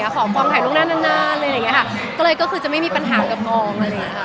ขอบคลองถ่ายลูกหน้าเลยก็คือจะไม่มีปัญหากับคลอง